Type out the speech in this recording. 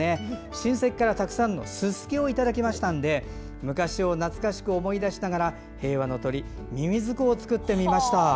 親戚からたくさんのススキをいただきましたので昔を懐かしく思い出しながら平和の鳥、ミミズクを作ってみました。